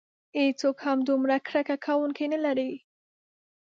هیڅوک هم دومره کرکه کوونکي نه لري.